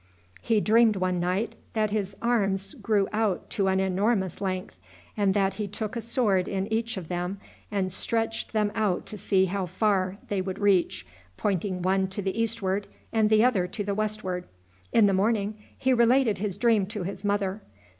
He dreamed one night that his arms grew out to an enormous length, and that he took a sword in each of them, and stretched them out to see how far they would reach, pointing one to the eastward and the other to the westward. In the morning he related his dream to his mother.